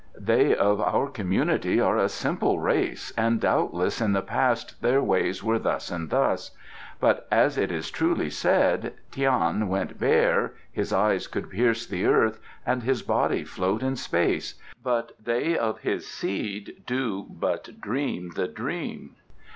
They of our community are a simple race and doubtless in the past their ways were thus and thus. But, as it is truly said, 'Tian went bare, his eyes could pierce the earth and his body float in space, but they of his seed do but dream the dream.